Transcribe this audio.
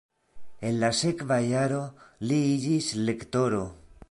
En la sekva jaro li iĝis lektoro.